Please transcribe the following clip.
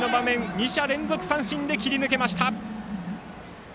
２者連続三振で切り抜けました。